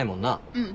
うん。